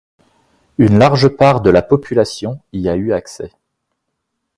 Une large part de la population y a eu accès.